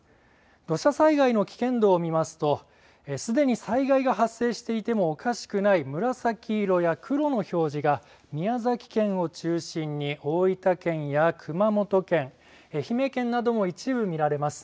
土砂災害の危険度を見ますと、すでに災害が発生していてもおかしくない紫色や黒の表示が宮崎県を中心に、大分県や熊本県、愛媛県なども一部見られます。